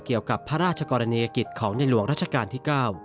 เกี่ยวกับพระราชกรณียกิจของในหลวงราชการที่๙